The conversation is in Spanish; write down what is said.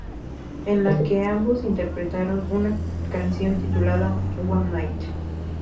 En la que ambos interpretaron una canción titulada "One Night".